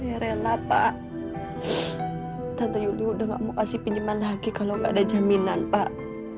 saya rela pak tante yuli udah enggak mau kasih pinjaman lagi kalau enggak ada jaminan pak